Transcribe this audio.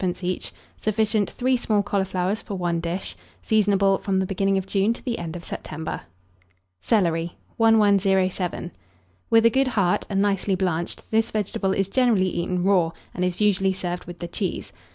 each. Sufficient, 3 small cauliflowers for 1 dish. Seasonable from the beginning of June to the end of September. CELERY. [Illustration: CELERY IN GLASS.] 1107. With a good heart, and nicely blanched, this vegetable is generally eaten raw, and is usually served with the cheese.